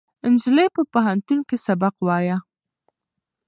نجلۍ په پوهنتون کې سبق وایه.